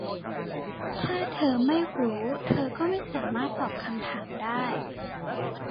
ถ้าเธอไม่รู้ เธอก็ไม่สามารถตอบคำถามได้